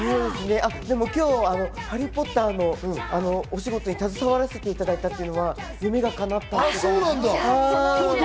今日、『ハリー・ポッター』のお仕事に携わらせていただいたというのが、夢が叶った。